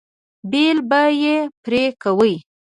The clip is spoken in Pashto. بیل به یې پرې کوئ.